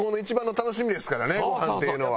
ごはんっていうのは。